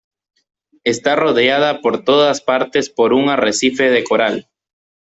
Está rodeada por todas partes por un arrecife de coral.